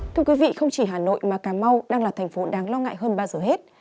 thưa quý vị không chỉ hà nội mà cà mau đang là thành phố đáng lo ngại hơn bao giờ hết